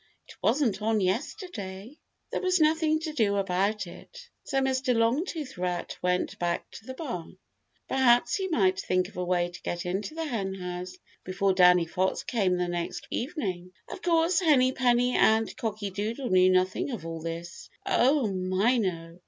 It wasn't on yesterday." There was nothing to do about it, so Mr. Longtooth Rat went back to the barn. Perhaps he might think of a way to get into the Henhouse before Danny Fox came the next evening. Of course, Henny Penny and Cocky Doodle knew nothing of all this. Oh, my, no!